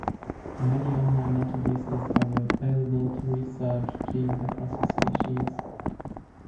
Many online databases are available to research genes across species.